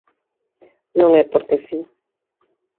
Non é porque si.